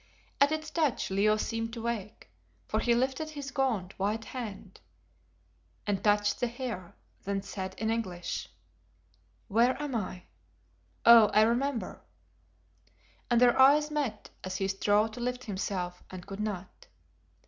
At its touch Leo seemed to wake, for he lifted his gaunt, white hand and touched the hair, then said in English "Where am I? Oh! I remember;" and their eyes met as he strove to lift himself and could not.